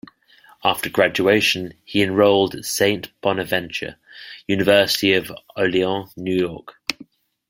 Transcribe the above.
After graduation, he enrolled at Saint Bonaventure University in Olean, New York.